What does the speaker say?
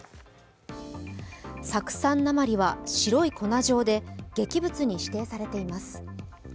酢酸鉛は白い粉状で、劇物に指定されています。